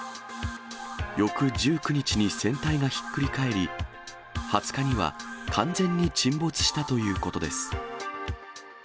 翌１９日に船体がひっくり返り、２０日には完全に沈没したということです。